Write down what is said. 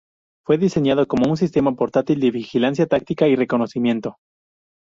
Fue diseñado como un sistema portátil de vigilancia táctica y reconocimiento.